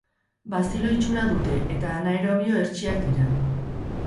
Bazilo itxura dute eta anaerobio hertsiak dira.